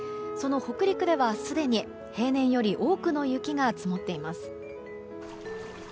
その北陸ではすでに平年より多くの雪が積もっています。